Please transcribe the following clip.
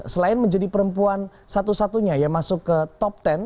selain menjadi perempuan satu satunya yang masuk ke top sepuluh